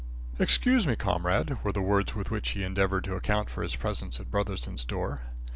"Excuse me, comrade," were the words with which he endeavoured to account for his presence at Brotherson's door.